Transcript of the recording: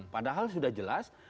padahal sudah jelas